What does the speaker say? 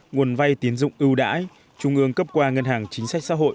nguồn vay tiến dụng ưu đãi trung ương cấp qua ngân hàng chính sách xã hội